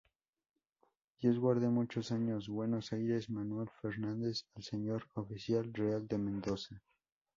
Dios guarde muchos años; Buenos Aires, Manuel Fernandez al Señor Oficial Real de Mendoza.